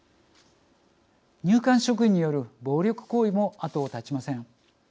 入管職員による暴力行為も後を絶ちません。